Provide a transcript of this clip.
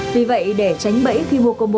vì vậy để tránh bẫy khi mua combo